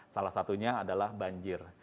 salah satunya adalah banjir